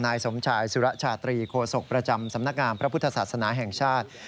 นายสมชายสุรชาตรีโคศกประจำสำนักงามพระพุทธศาสนาแห่งชาติ